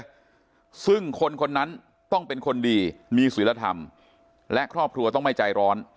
ด้วยซึ่งคนคนนั้นต้องเป็นคนดีมีศิลธรรมและครอบครัวต้องไม่ใจร้อน